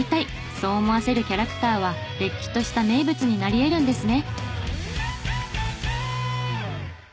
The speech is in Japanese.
そう思わせるキャラクターはれっきとした名物になり得るんですね！